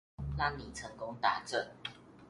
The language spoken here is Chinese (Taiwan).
讓你成功達陣